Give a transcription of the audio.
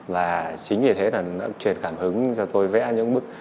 và chính vì thế là nó truyền cảm hứng cho tôi vẽ những bức